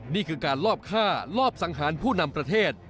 นี่คือการลอบฆ่าลอบสังหารผู้นำประเทศ